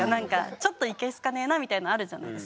ちょっといけ好かねえなみたいのあるじゃないですか。